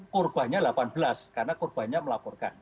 korbannya delapan belas karena korbannya melaporkan